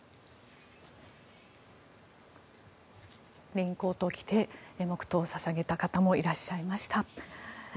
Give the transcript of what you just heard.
レインコートを着て黙祷を捧げた方もいらっしゃいました。